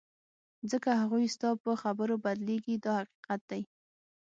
ځکه هغوی ستا په خبرو بدلیږي دا حقیقت دی.